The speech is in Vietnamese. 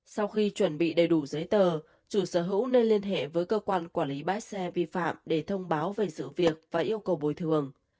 sau khi chuẩn bị đầy đủ giấy tờ chủ sở hữu nên liên hệ với cơ quan quản lý bãi xe vi phạm để thông báo về sự việc và yêu cầu bồi thường